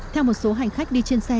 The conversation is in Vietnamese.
theo một số hành khách đi trên xe